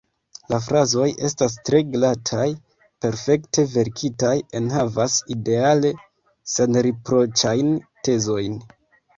La frazoj estas tre glataj, perfekte verkitaj, enhavas ideale senriproĉajn tezojn.